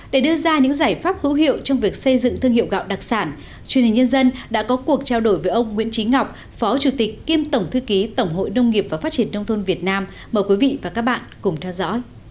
để đưa ra những giải pháp hữu hiệu trong việc xây dựng thương hiệu gạo đặc sản truyền hình nhân dân đã có cuộc trao đổi với ông nguyễn trí ngọc phó chủ tịch kiêm tổng thư ký tổng hội nông nghiệp và phát triển nông thôn việt nam mời quý vị và các bạn cùng theo dõi